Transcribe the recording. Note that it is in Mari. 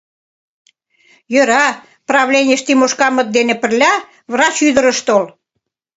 Йӧра, правленийыш Тимошкамыт дене пырля врач ӱдыр ыш тол.